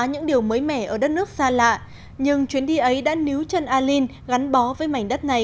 những điều mới mẻ ở đất nước xa lạ nhưng chuyến đi ấy đã níu chân alin gắn bó với mảnh đất này